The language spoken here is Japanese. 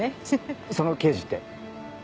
その刑事って。